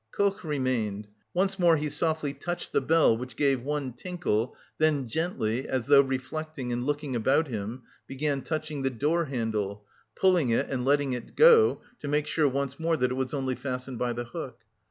Koch remained. Once more he softly touched the bell which gave one tinkle, then gently, as though reflecting and looking about him, began touching the door handle pulling it and letting it go to make sure once more that it was only fastened by the hook.